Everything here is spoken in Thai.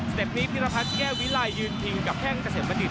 สเต็ปนี้พิรพัฒน์แก้วิลัยยืนพิงกับแค่งเกษตรบรรดิ